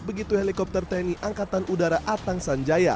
begitu helikopter tni angkatan udara atang sanjaya